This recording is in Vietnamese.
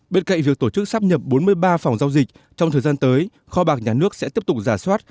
bên cạnh việc tổ chức sắp nhập bốn mươi ba phòng giao dịch trong thời gian tới kho bạc nhà nước sẽ tiếp tục giả soát